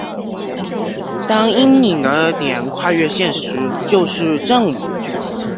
当阴影的点跨越线时就是正午。